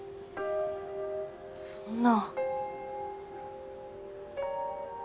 そんな。